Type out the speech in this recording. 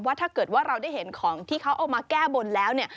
ว่าถ้าเกิดเราได้เห็นของที่เขาเอามาแก้บนแล้ว